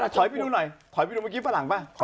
ถอยไปดูหน่อยถอยไปดูเมื่อกี้ฝรั่งป่ะ